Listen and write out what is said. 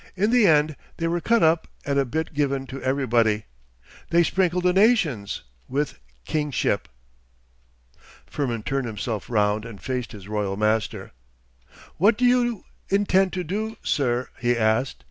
In the end they were cut up and a bit given to everybody. They sprinkled the nations—with Kingship.' Firmin turned himself round and faced his royal master. 'What do you intend to do, sir?' he asked.